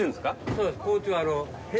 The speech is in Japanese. そうです。